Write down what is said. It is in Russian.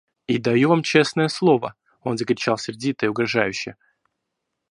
И даю вам честное слово, — он закричал сердито и угрожающе.